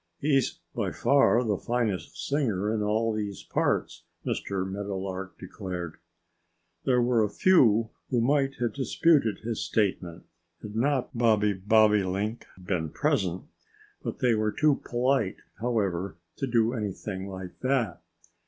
"He's by far the finest singer in all these parts," Mr. Meadowlark declared. There were a few who might have disputed his statement, had not Bobby Bobolink been present. They were too polite, however, to do anything like that.